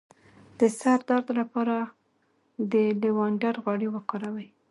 د سر درد لپاره د لیوانډر غوړي وکاروئ